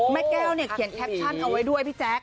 แม่แก้วเนี่ยเขียนแคปชั่นเอาไว้ด้วยพี่แจ๊ค